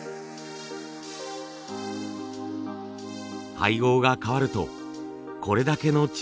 配合が変わるとこれだけの違いが出るのです。